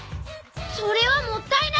それはもったいない！